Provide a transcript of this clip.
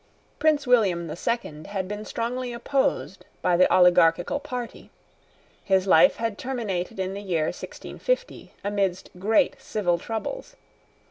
Prince William the Second had been strongly opposed by the oligarchical party. His life had terminated in the year 1650, amidst great civil troubles.